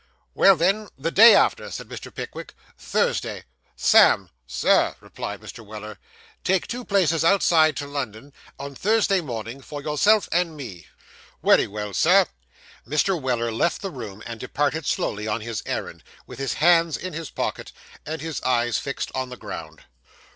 'Well, then, the day after,' said Mr. Pickwick; 'Thursday. Sam!' 'Sir,' replied Mr. Weller. 'Take two places outside to London, on Thursday morning, for yourself and me.' 'Wery well, Sir.' Mr. Weller left the room, and departed slowly on his errand, with his hands in his pocket and his eyes fixed on the ground.